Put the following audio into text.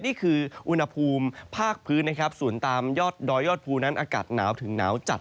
นี่คืออุณหภูมิภาคพื้นนะครับส่วนตามยอดดอยยอดภูนั้นอากาศหนาวถึงหนาวจัด